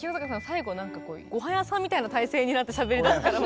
最後なんかこうご飯屋さんみたいな体勢になってしゃべりだすからもう。